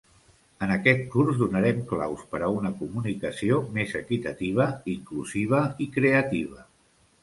En aquest curs donarem claus per a una comunicació més equitativa, inclusiva i creativa.